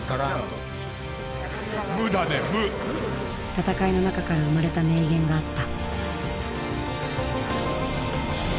戦いの中から生まれた名言があった。